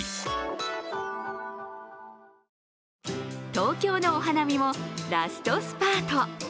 東京のお花見もラストスパート。